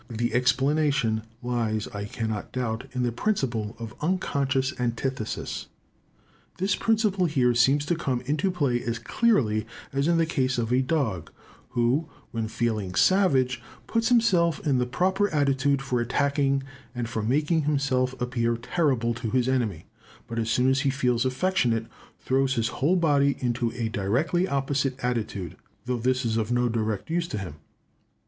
The explanation lies, I cannot doubt, in the principle of unconscious antithesis. This principle here seems to come into play as clearly as in the case of a dog, who, when feeling savage, puts himself in the proper attitude for attacking and for making himself appear terrible to his enemy; but as soon as he feels affectionate, throws his whole body into a directly opposite attitude, though this is of no direct use to him.